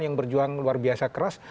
yang berjuang luar biasa keras